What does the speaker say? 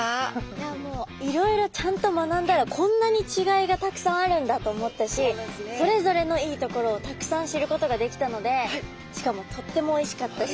いやもういろいろちゃんと学んだらこんなに違いがたくさんあるんだと思ったしそれぞれのいいところをたくさん知ることができたのでしかもとってもおいしかったし。